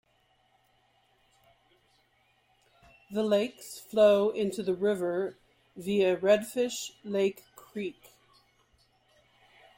The lakes flow into the river via Redfish Lake Creek.